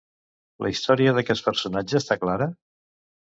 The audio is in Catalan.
La història d'aquest personatge està clara?